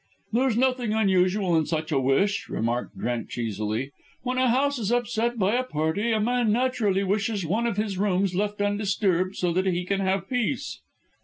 "There's nothing unusual in such a wish," remarked Drench easily. "When a house is upset by a party a man naturally wishes one of his rooms left undisturbed so that he can have peace."